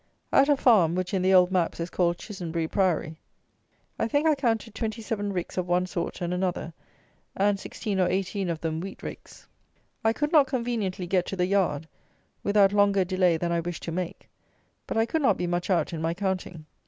At a farm, which, in the old maps, is called Chissenbury Priory, I think I counted twenty seven ricks of one sort and another, and sixteen or eighteen of them wheat ricks. I could not conveniently get to the yard, without longer delay than I wished to make; but I could not be much out in my counting.